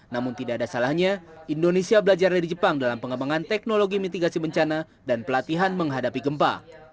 namun tidak ada salahnya indonesia belajar dari jepang dalam pengembangan teknologi mitigasi bencana dan pelatihan menghadapi gempa